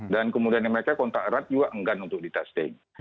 dan kemudian mereka kontak erat juga enggak untuk ditesting